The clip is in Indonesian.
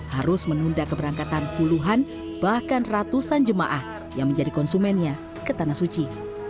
harus menunda keberangkatan puluhan bahkan ratusan jemaah yang menjadi konsumennya ke tanah suci